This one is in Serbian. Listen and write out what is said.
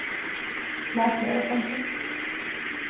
Насмејао сам се.